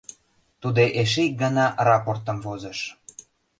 Тудо эше ик гана рапортым возыш.